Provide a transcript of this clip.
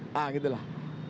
nah gitu lah